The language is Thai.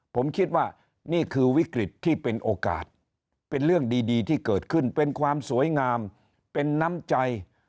ผมคิดว่านี่คือวิกฤตที่เป็นโอกาสเป็นเรื่องดีที่เกิดขึ้นเป็นความสวยงามเป็นน้ำใจ